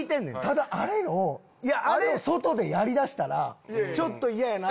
ただあれを外でやりだしたらちょっと嫌やなって。